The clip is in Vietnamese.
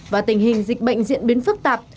và tình hình dịch bệnh diễn biến phức tạp